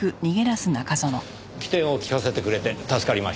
機転を利かせてくれて助かりました。